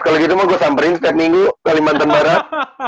kalo gitu mah gua samperin setiap minggu kalimantan barat